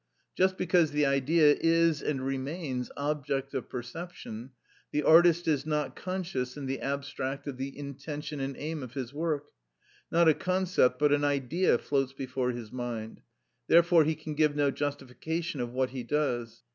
Just because the Idea is and remains object of perception, the artist is not conscious in the abstract of the intention and aim of his work; not a concept, but an Idea floats before his mind; therefore he can give no justification of what he does.